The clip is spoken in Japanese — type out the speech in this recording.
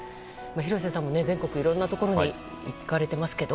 廣瀬さんも全国いろいろなところに行かれてますけど。